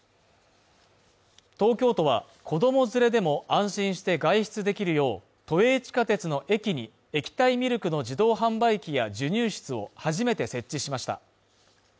東京都は、子供連れでも安心して外出できるよう都営地下鉄の駅に液体ミルクの自動販売機や授乳室を初めて設置しました。